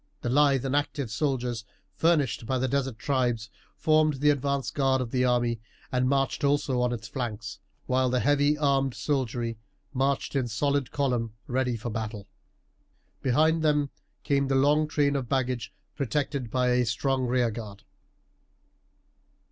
The lithe and active soldiers furnished by the desert tribes formed the advanced guard of the army, and marched also on its flanks, while the heavy armed soldiery marched in solid column ready for battle. Behind them came the long train of baggage protected by a strong rear guard.